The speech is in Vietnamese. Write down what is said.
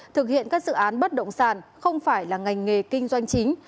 thực hiện các dự án bất động sản không phải là ngành nghề kinh doanh chính